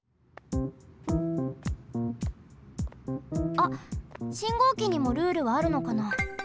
あっ信号機にもルールはあるのかな？